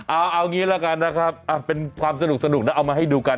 เอางี้ละกันนะครับเป็นความสนุกนะเอามาให้ดูกัน